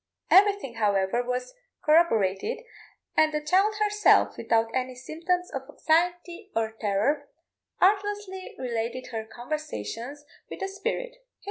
Everything, however, was corroborated, and the child herself, without any symptoms of anxiety or terror, artlessly related her conversations with the spirit.